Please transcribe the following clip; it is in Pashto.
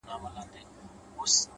دا څه خبره ده؛ بس ځان خطا ايستل دي نو؛